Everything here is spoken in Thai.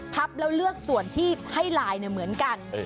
พับแล้วเลือกส่วนที่ให้ลายเหมือนกัน